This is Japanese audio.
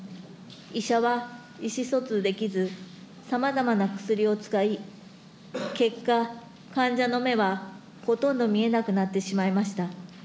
医者は意思疎通できず、さまざまな薬を使い、結果、患者の目はほとんど見えなくなってしまいました。